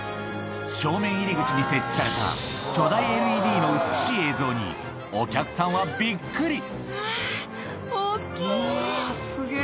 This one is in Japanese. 正面入り口に設置された巨大ＬＥＤの美しい映像に、お客さんはびうわー、大きい！